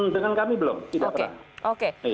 dengan kami belum tidak pernah